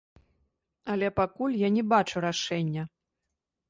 Але пакуль я не бачу рашэння.